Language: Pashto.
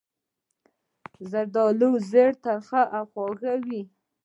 د زردالو زړې تریخ او خوږ وي.